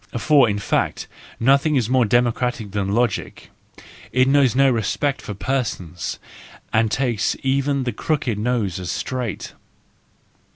For in fact, nothing is more democratic than logic : it knows no respect of persons, and takes even the crooked nose as straight.